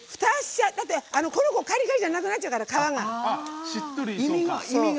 この子、カリカリじゃなくなっちゃうから皮が。